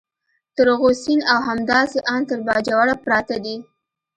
تر غو سین او همداسې ان تر باجوړه پراته دي.